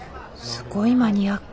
すごいマニアック。